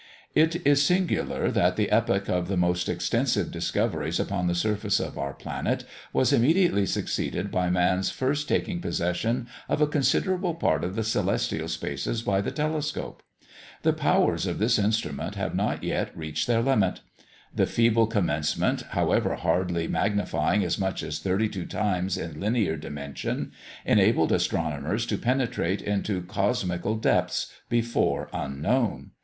It is singular that the epoch of the most extensive discoveries upon the surface of our planet was immediately succeeded by man's first taking possession of a considerable part of the celestial spaces by the telescope. The powers of this instrument have not yet reached their limit. The feeble commencement, however hardly magnifying as much as thirty two times in linear dimension, enabled astronomers to penetrate into cosmical depths, before unknown.